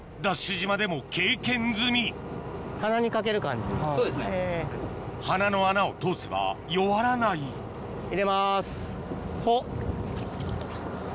島でも経験済み鼻の穴を通せば弱らない入れますほっ。